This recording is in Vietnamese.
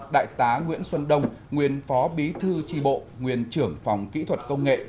đại tá nguyễn xuân đông nguyên phó bí thư tri bộ nguyên trưởng phòng kỹ thuật công nghệ